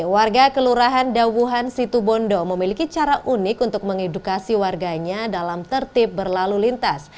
warga kelurahan dawuhan situbondo memiliki cara unik untuk mengedukasi warganya dalam tertib berlalu lintas